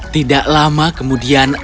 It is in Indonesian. tidak lama kemudian